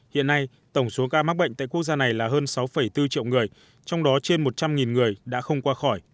hiện nay tổng số ca mắc bệnh tại quốc gia này là hơn sáu bốn triệu người trong đó trên một trăm linh người đã không qua khỏi